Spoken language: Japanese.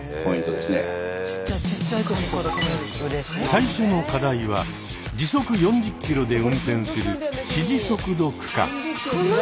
最初の課題は時速４０ｋｍで運転する「指示速度区間」。